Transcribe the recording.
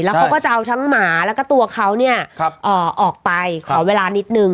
เขาก็จะเอาทั้งหมาแล้วก็ตัวเขาเนี่ยออกไปขอเวลานิดนึง